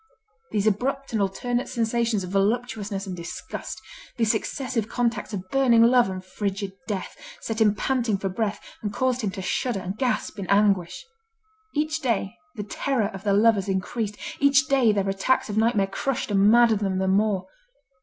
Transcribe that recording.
These abrupt and alternate sensations of voluptuousness and disgust, these successive contacts of burning love and frigid death, set him panting for breath, and caused him to shudder and gasp in anguish. Each day, the terror of the lovers increased, each day their attacks of nightmare crushed and maddened them the more.